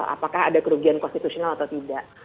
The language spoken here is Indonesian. apakah ada kerugian konstitusional atau tidak